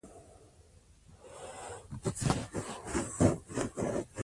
سیادت پر دوه ډوله دئ.